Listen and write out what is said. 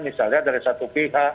misalnya dari satu pihak